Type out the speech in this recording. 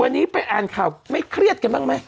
วันนี้ไปอ่านข่าวไม่เครียดกันบ้างไหม